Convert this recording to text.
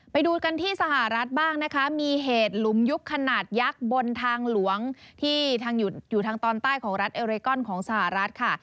ไปดูกันที่สหรัฐบ้างนะคะมีเหตุหลุมยุบขนาดยักษ์บนทางหลวงที่ทางอยู่ทางตอนใต้ของรัฐเอเรกอนของสหรัฐค่ะ